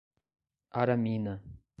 Aramina